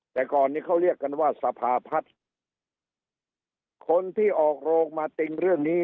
แต่ก่อนนี้เขาเรียกกันว่าสภาพัฒน์คนที่ออกโรงมาติงเรื่องนี้